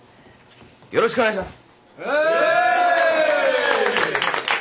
よろしくお願いします。